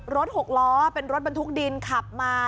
หกล้อเป็นรถบรรทุกดินขับมา